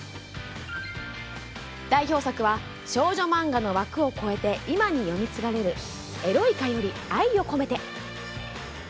代表作は少女漫画の枠を超えて今に読み継がれる「エロイカより愛をこめて」。